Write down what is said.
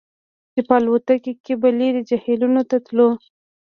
چې په الوتکه کې به لرې جهیلونو ته تللو